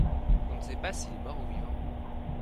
on ne sait pas s'il est mort ou vivant.